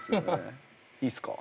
いいすか？